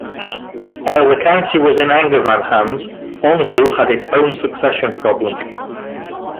While the county was in Angevin hands, Anjou had its own succession problem.